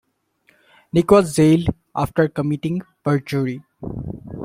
Nick was jailed after committing perjury